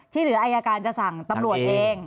หรืออายการจะสั่งตำรวจเอง